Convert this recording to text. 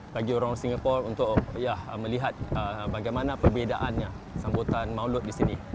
bagi orang singapura untuk melihat bagaimana perbedaannya sambutan maulud di sini